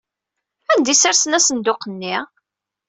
Anda ay ssersen asenduq-nni?